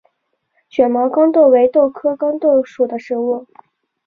卷毛豇豆为豆科豇豆属的植物。